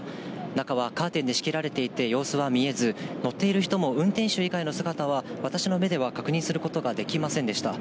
中はカーテンで仕切られていて、様子は見えず、乗っている人も、運転手以外の姿は、私の目では確認することができませんでした。